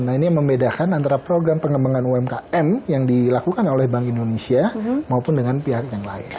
nah ini yang membedakan antara program pengembangan umkm yang dilakukan oleh bank indonesia maupun dengan pihak yang lain